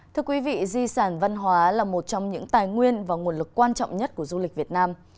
thưa quý vị di sản văn hóa là một trong những tài nguyên và nguồn lực quan trọng nhất của du lịch việt nam